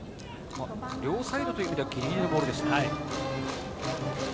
両サイドという意味ではギリギリのボールでした。